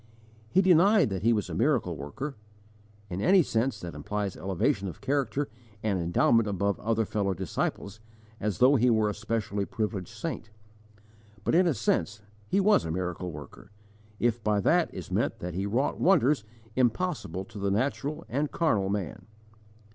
He denied that he was a miracle worker, in any sense that implies elevation of character and endowment above other fellow disciples, as though he were a specially privileged saint; but in a sense he was a miracle worker, if by that is meant that he wrought wonders impossible to the natural and carnal man.